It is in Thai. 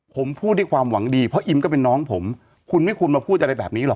ผมพูดด้วยความหวังดีเพราะอิมก็เป็นน้องผมคุณไม่ควรมาพูดอะไรแบบนี้หรอก